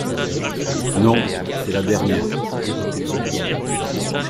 Non, c’est la dernière.